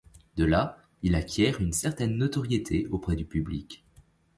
De là, il acquiert une certaine notoriété auprès du public.